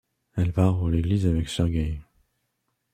Elle part pour l'église avec Sergueï.